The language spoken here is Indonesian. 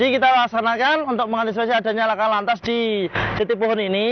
karena kan untuk mengantisipasi adanya lakang lantas di jati pohon ini